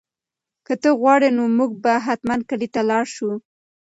که ته وغواړې نو موږ به حتماً کلي ته لاړ شو.